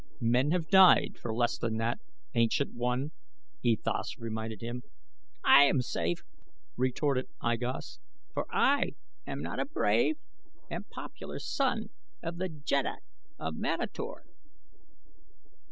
"Men have died for less than that, ancient one," E Thas reminded him. "I am safe," retorted I Gos, "for I am not a brave and popular son of the jeddak of Manator."